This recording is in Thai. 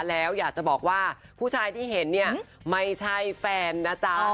แล้วอยากจะบอกว่าผู้ชายที่เห็นเนี่ยไม่ใช่แฟนนะจ๊ะ